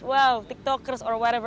wow tiktokers atau apapun itu